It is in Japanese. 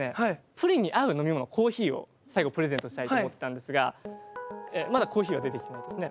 プリンに合う飲み物コーヒーを最後プレゼントしたいと思ってたんですがまだコーヒーが出てきてないですね。